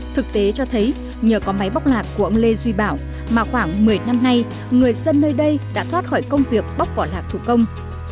thực tế cho thấy nhờ có máy bóc lạc của ông lê duy bảo mà khoảng một mươi năm nay người dân nơi đây đã thoát khỏi công việc bóc vỏ lạc thủ công